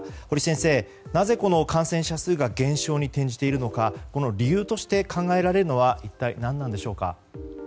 堀先生、なぜ感染者数が減少に転じているのかこの理由として考えられるのは一体何でしょうか。